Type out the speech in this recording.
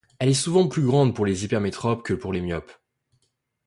Elle est souvent plus grande pour les hypermétropes que pour les myopes.